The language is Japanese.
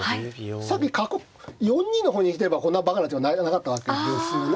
さっき角を４二の方に引いてればこんなばかな手はなかったわけですね。